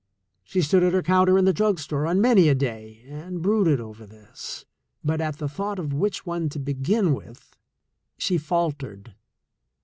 She stood at her counter in the drug store on many a day and brooded over this, but at the thought of which one to begin with, she faltered.